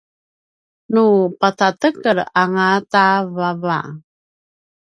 nu napatatekel anga ta vava